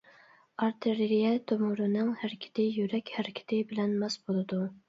ئارتېرىيە تومۇرىنىڭ ھەرىكىتى يۈرەك ھەرىكىتى بىلەن ماس بولىدۇ.